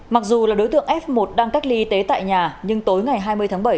mặc dù là đối tượng f một đang cách ly y tế tại nhà nhưng tối ngày hai mươi tháng bảy